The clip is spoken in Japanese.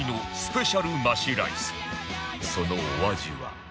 そのお味は